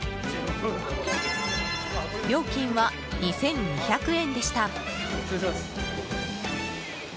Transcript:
料金は、２２００円でした。